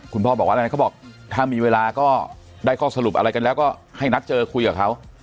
คุณพ่อบอกว่าอะไรเขาบอกถ้ามีเวลาก็ได้ข้อสรุปอะไรกันแล้วก็ให้นัดเจอคุยกับเขา